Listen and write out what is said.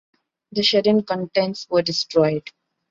The shed and contents were destroyed.